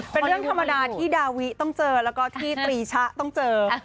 เป็นเรื่องธรรมดาที่ดาวิต้องเจอแล้วก็ที่ตรีชะต้องเจอ